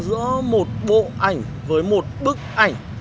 giữa một bộ ảnh với một bức ảnh